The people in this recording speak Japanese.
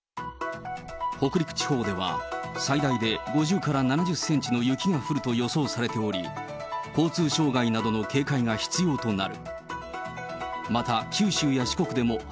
北陸地方では最大で５０から７０センチの雪が降ると予想されており、交通障害などの警戒が必要となる。